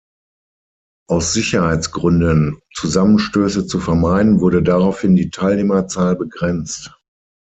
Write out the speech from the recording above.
Aus Sicherheitsgründen, um Zusammenstöße zu vermeiden, wurde daraufhin die Teilnehmerzahl begrenzt.